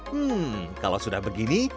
hmm kalau sudah begini